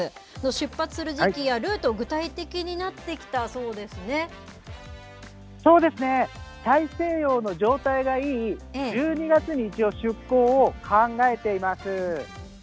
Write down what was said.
出発する時期やルート、そうですね、大西洋の状態がいい１２月に一応出航を考えています。